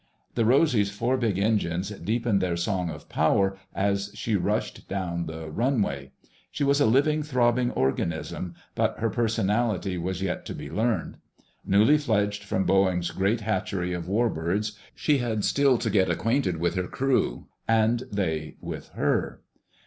The Rosy's four big engines deepened their song of power as she rushed down the runway. She was a living, throbbing organism, but her personality was yet to be learned. Newly fledged from Boeing's great hatchery of warbirds, she had still to get acquainted with her crew, and they with her.